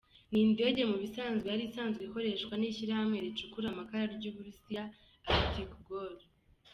Ni indege mu bisanzwe yari isanzwe ikoreshwa n’ishyirahamwe ricukura amakara ry’Uburusiya Arktikugol.